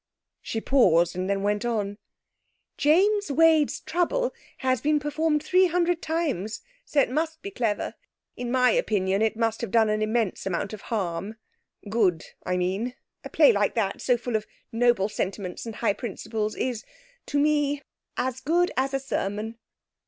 She paused, and then went on 'James Wade's Trouble has been performed three hundred times, so it must be clever. In my opinion, it must have done an immense amount of harm good, I mean. A play like that, so full of noble sentiments and high principles, is to me as good as a sermon!'